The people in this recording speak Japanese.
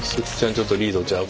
ちょっとリードちゃう？